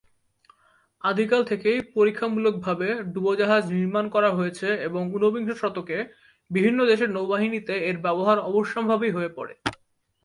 আদিকাল থেকেই পরীক্ষামূলকভাবে ডুবোজাহাজ নির্মাণ করা হয়েছে এবং ঊনবিংশ শতকে বিভিন্ন দেশের নৌবাহিনীতে এর ব্যবহার অবশ্যম্ভাবী হয়ে পড়ে।